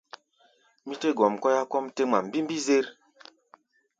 Mí tɛ́ gɔm kɔ́yá kɔ́ʼm tɛ́ ŋma mbímbí-zér.